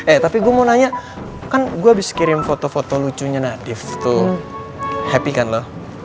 eh tapi gue mau nanya kan gue habis kirim foto foto lucunya nadief tuh happy kan loh